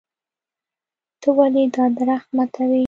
ته ولې دا درخت ماتوې.